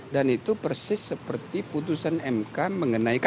dan itu persis seperti putusan mk mengatakan